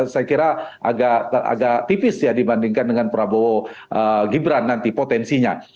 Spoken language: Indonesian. saya kira agak tipis ya dibandingkan dengan prabowo gibran nanti potensinya